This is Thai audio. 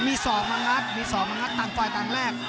มีสอบมาครับมีสอบมาครับต่างฝ่ายต่างแรก